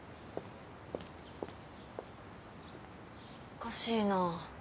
おかしいな。